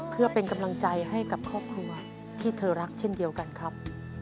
เพื่อเป็นกำลังใจให้กับครอบครัวที่เธอรักเช่นเดียวกันครับ